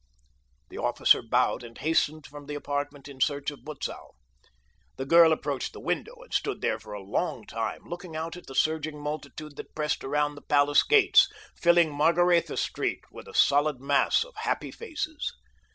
The officer bowed and hastened from the apartment in search of Butzow. The girl approached the window and stood there for a long time, looking out at the surging multitude that pressed around the palace gates, filling Margaretha Street with a solid mass of happy faces.